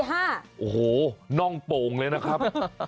โอ้โหน่องโป่งเลยนะครับ